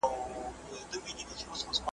ملګرتیا د ژوند خوښي زیاتوي.